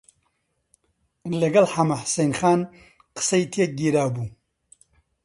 لەگەڵ حەمەحوسێن خان قسەی تێک گیرابوو